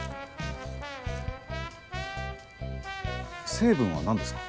成分は何ですか？